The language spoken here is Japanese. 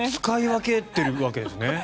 使い分けてるわけですね。